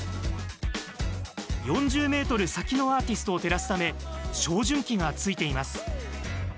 ４０ｍ先のアーティストを照らすため照準器がついています。